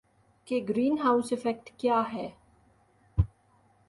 کہ greenhouse effect کیا ہے